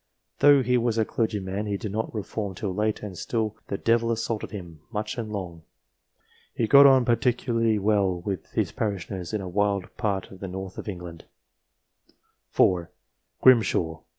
Though he was a clergyman he did not reform till late, and still the " devil assaulted him " much and long. He got on particularly well with his parishioners in a wild part of the north of England. 4. Grimshaw, d.